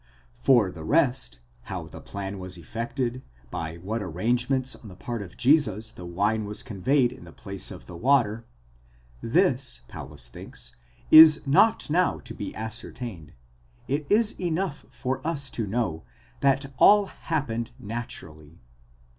24 For the rest, how the plan was effected, by what arrangements on the part of Jesus the wine was conveyed in the place of the water, this, Paulus thinks, is not now to be ascertained ; it is enough for us to know that all happened naturally.